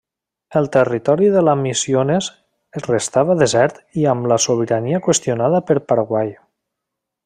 El territori de la Misiones restava desert i amb la sobirania qüestionada per Paraguai.